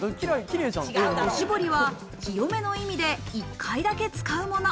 おしぼりは清めの意味で１回だけ使うもの。